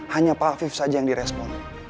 hanya pak afif saja yang direspon